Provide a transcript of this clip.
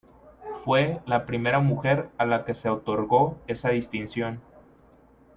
Fue la primera mujer a la que se otorgó esa distinción.